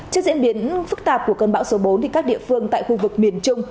trước diễn biến phức tạp của cơn bão số bốn các địa phương tại khu vực miền trung